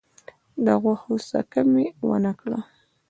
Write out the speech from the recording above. د غوښو څکه مي ونه کړه .